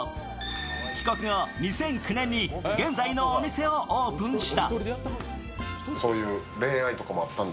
帰国後、２００９年に現在のお店をオープンした。